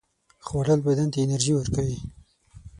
خوړل بدن ته انرژي ورکوي